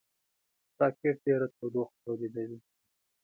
راکټ ډېره تودوخه تولیدوي